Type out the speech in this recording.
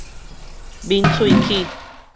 抿喙齒